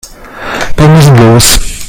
Wir müssen los.